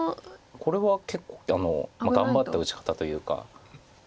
これは結構頑張った打ち方というか。